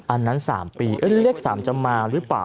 อันนั้น๓ปีเลข๓จะมาหรือเปล่า